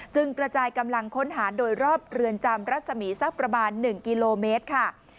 กระจายกำลังค้นหาโดยรอบเรือนจำรัศมีสักประมาณ๑กิโลเมตรค่ะ